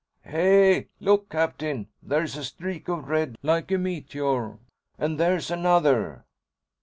"Hey, look, Captain! There's a streak of red, like a meteor. And there's another!"